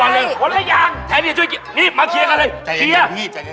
นอกจากพี่ไม่มีคนอื่น